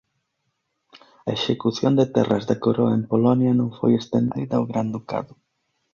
A execución de terras da Coroa en Polonia non foi estendida ao Gran Ducado.